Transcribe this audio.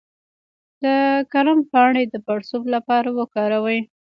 د کرم پاڼې د پړسوب لپاره وکاروئ